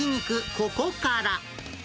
ここから。